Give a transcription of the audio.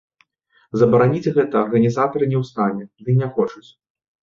Забараніць гэта арганізатары не ў стане, ды й не хочуць.